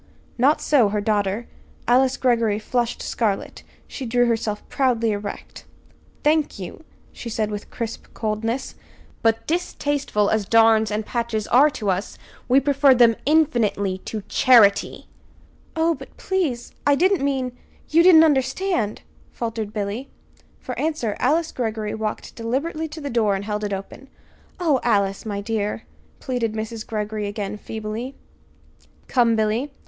Not so her daughter. Alice Greggory flushed scarlet. She drew herself proudly erect. "Thank you," she said with crisp coldness; "but, distasteful as darns and patches are to us, we prefer them, infinitely, to charity!" "Oh, but, please, I didn't mean you didn't understand," faltered Billy. For answer Alice Greggory walked deliberately to the door and held it open. "Oh, Alice, my dear," pleaded Mrs. Greggory again, feebly. "Come, Billy!